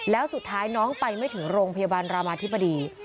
แล้วสุดท้ายน้องไปไม่ถึงโรงพยาบาลรามาธิบดี